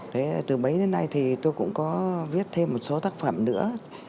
thế từ mấy đến nay thì tôi cũng có viết thêm một số tác phẩm nữa